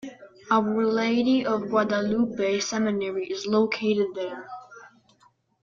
Our Lady of Guadalupe Seminary is located there.